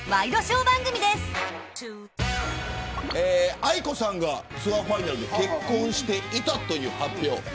ａｉｋｏさんがツアーファイナルで結婚していたという発表を。